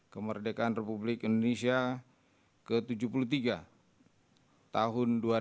kemerdekaan republik indonesia ke tujuh puluh tiga tahun dua ribu dua puluh